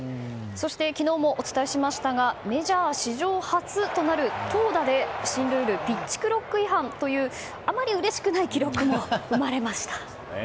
昨日もお伝えしましたがメジャー史上初となる投打で新ルールピッチクロック違反というあまりうれしくない記録も生まれました。